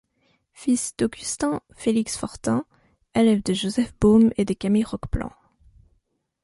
Fils d'Augustin Félix Fortin, élève de Joseph Beaume et de Camille Roqueplan.